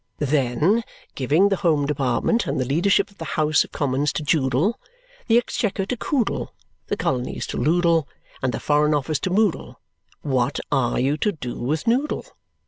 Then, giving the Home Department and the leadership of the House of Commons to Joodle, the Exchequer to Koodle, the Colonies to Loodle, and the Foreign Office to Moodle, what are you to do with Noodle?